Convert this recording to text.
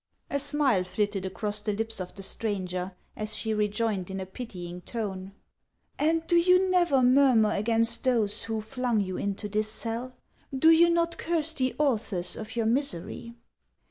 A smile flitted across the lips of the stranger, as she rejoined in a pitying tone :" And do you never murmur against those who flung you into this cell \ Do you not curse the authors of your misery